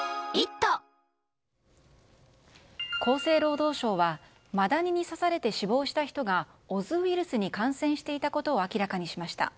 厚生労働省はマダニに刺されて死亡した人がオズウイルスに感染していたことを明らかにしました。